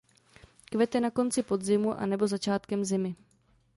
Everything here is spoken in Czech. Kvete na konci podzimu a nebo začátkem zimy.